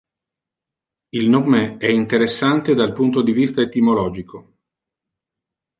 Il nome è interessante dal punto di vista etimologico.